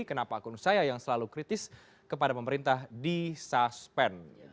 kenapa akun saya yang selalu kritis kepada pemerintah di suspend